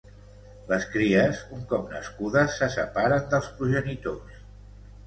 Les cries, un cop nascudes, se separen dels progenitors.